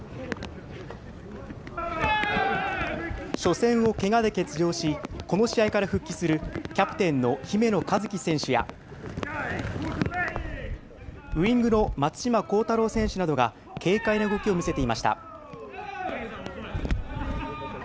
初戦をけがで欠場し、この試合から復帰するキャプテンの姫野和樹選手や、ウイングの松島幸太朗選手などが、軽快な動きを見せていました。